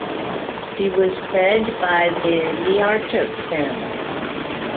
She was bred by the Niarchos family.